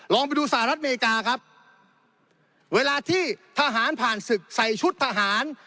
ลองไปดูสหรัฐอเมริกาครับเวลาที่ทหารผ่านศึกใส่ชุดทหาร